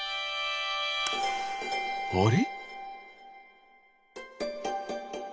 あれ？